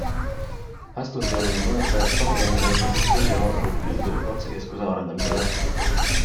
Hästundi oleme mõneks ajaks tahaplaanile jätnud, sest põhiaur kulub Kildu ratsakeskuse arendamisele.